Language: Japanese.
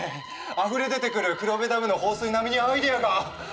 あふれ出てくる黒部ダムの放水並みにアイデアが。